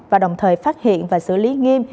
và đồng thời phát hiện và xử lý nghiêm